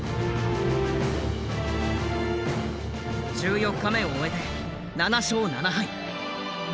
１４日目を終えて７勝７敗。